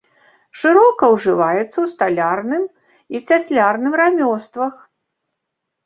Шырока ўжываецца ў сталярным і цяслярным рамёствах.